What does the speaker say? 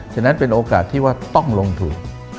ฉะนั้นเป็นโอกาสที่ว่าต้องลงทุน